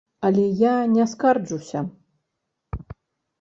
Але я не скарджуся.